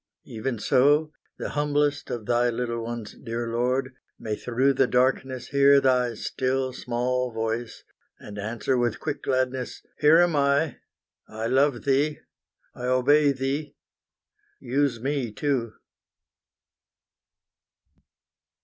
Even so, the humblest of thy little ones, dear Lord, May through the darkness hear Thy still small voice, And answer with quick gladness "Here am I, I love Thee, I obey Thee, use me too!"